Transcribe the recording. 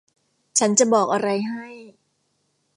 ฉันจะบอกอะไรให้